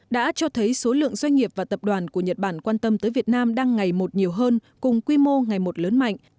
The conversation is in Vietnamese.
đã cho thấy số lượng doanh nghiệp và tập đoàn của nhật bản quan tâm tới việt nam đang ngày một nhiều hơn cùng quy mô ngày một lớn mạnh